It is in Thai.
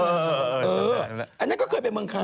เอออันนี้ก็เคยไปเมืองคาญ